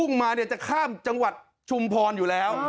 มาเนี่ยจะข้ามจังหวัดชุมพรอยู่แล้ว